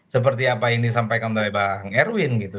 seperti apa yang disampaikan oleh bang erwin gitu